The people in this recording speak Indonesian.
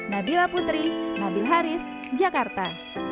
nabila putri nabil haris jakarta